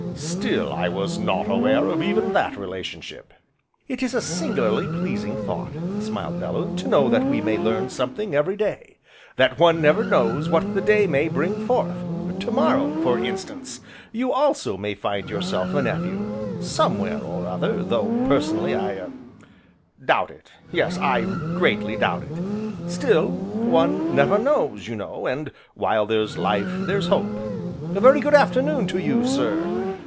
Still, I was not aware of even that relationship." "It is a singularly pleasing thought," smiled Bellew, "to know that we may learn something every day, that one never knows what the day may bring forth; to morrow, for instance, you also may find yourself a nephew somewhere or other, though, personally, I er doubt it, yes, I greatly doubt it; still, one never knows, you know, and while there's life, there's hope. A very good afternoon to you, sir.